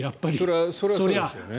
それはそうですよね。